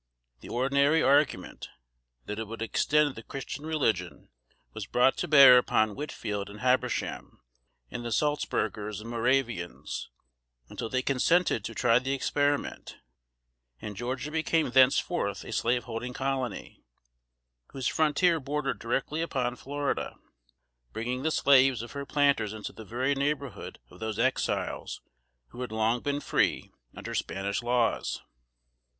The ordinary argument, that it would extend the Christian religion, was brought to bear upon Whitfield and Habersham, and the Saltzbergers and Moravians, until they consented to try the experiment, and Georgia became thenceforth a Slaveholding Colony, whose frontier bordered directly upon Florida; bringing the slaves of her planters into the very neighborhood of those Exiles who had long been free under Spanish laws. [Sidenote: 1750.